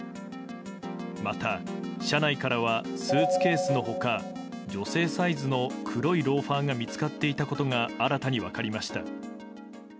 また、車内からはスーツケースの他女性サイズの黒いローファーが見つかっていたことが新たに分かりました。